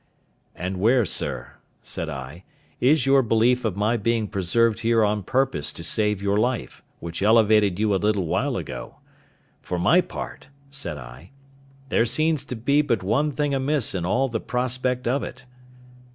"And where, sir," said I, "is your belief of my being preserved here on purpose to save your life, which elevated you a little while ago? For my part," said I, "there seems to be but one thing amiss in all the prospect of it."